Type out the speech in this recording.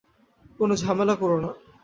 কোনো ঝামেলা কোরো না।